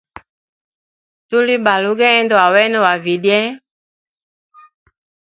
Tuli balugendo wa wena wa vilye.